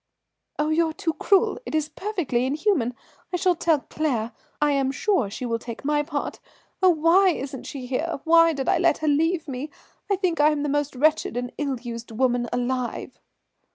"Oh, you're too cruel, it is perfectly inhuman. I shall tell Claire, I am sure she will take my part. Oh, why isn't she here, why did I let her leave me? I think I am the most wretched and ill used woman alive."